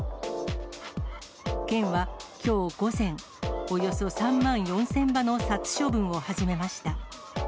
県はきょう午前、およそ３万４０００羽の殺処分を始めました。